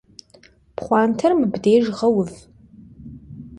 Pxhuanter mıbdêjj ğeuv.